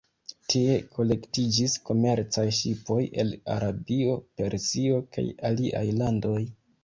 Tie kolektiĝis komercaj ŝipoj el Arabio, Persio kaj aliaj landoj.